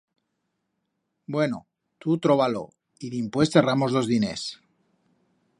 Bueno, tu troba-lo y dimpués charramos d'os diners.